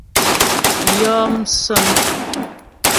Yɔ msə̌ŋ.